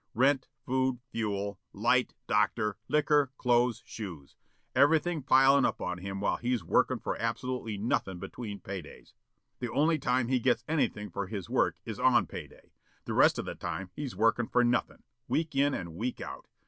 Rent, food, fuel, light, doctor, liquor, clothes, shoes, everything pilin' up on him while he's workin' for absolutely nothin' between pay days. The only time he gets anything for his work is on pay day. The rest of the time he's workin' for nothin', week in and week out.